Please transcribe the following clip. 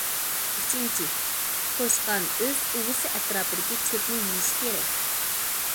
ئۈچىنچى: توشقان ئۆز ئۇۋىسى ئەتراپىدىكى چۆپنى يېيىشى كېرەك.